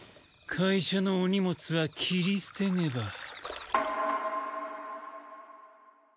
会社のお荷物は切り捨てねば。